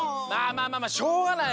まあまあしょうがない。